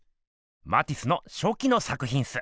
マティスのしょきの作ひんっす。